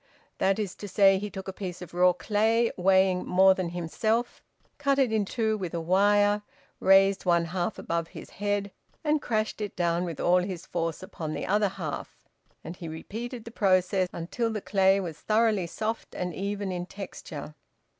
That is to say, he took a piece of raw clay weighing more than himself, cut it in two with a wire, raised one half above his head and crashed it down with all his force upon the other half, and he repeated the process until the clay was thoroughly soft and even in texture.